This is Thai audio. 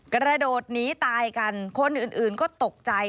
กระโดดหนีตายกันคนอื่นก็ตกใจ